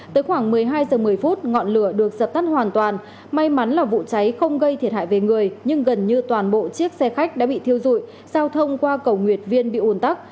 tới khoảng một mươi hai h một mươi ngọn lửa được dập tắt hoàn toàn may mắn là vụ cháy không gây thiệt hại về người nhưng gần như toàn bộ chiếc xe khách đã bị thiêu dụi giao thông qua cầu nguyệt viên bị ủn tắc